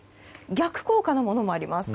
逆効果のものもあります。